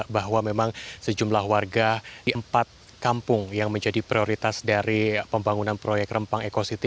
bahwa memang sejumlah warga di empat kampung yang menjadi prioritas dari pembangunan proyek rempang eco city